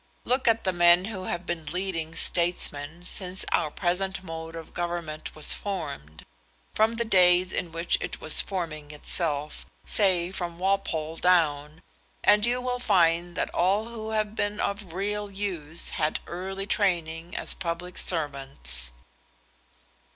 Look at the men who have been leading statesmen since our present mode of government was formed, from the days in which it was forming itself, say from Walpole down, and you will find that all who have been of real use had early training as public servants."